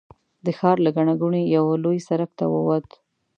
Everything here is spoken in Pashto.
د ښار له ګڼې ګوڼې یوه لوی سړک ته ووت.